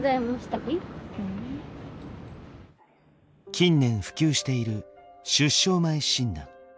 近年普及している出生前診断。